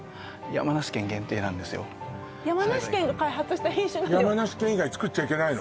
山梨県が開発した品種なんです山梨県以外作っちゃいけないの？